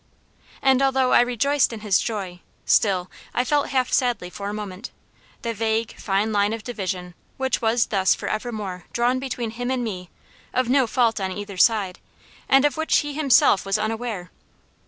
And although I rejoiced in his joy, still I felt half sadly for a moment, the vague, fine line of division which was thus for evermore drawn between him and me of no fault on either side, and of which he himself was unaware.